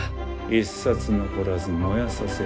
一冊残らず燃やさせる。